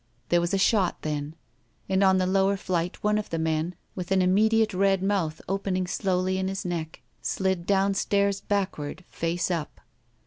There was a shot then, and on the lower flight one of the men, with an immediate red mouth opening slowly in his neck, sUd downstairs backward, face up.